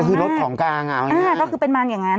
ก็คือรถของกลางอ่ะอ่าก็คือเป็นมันอย่างงั้น